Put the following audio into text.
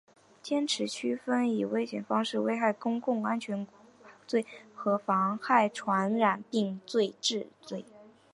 坚持区分以危险方法危害公共安全罪和妨害传染病防治罪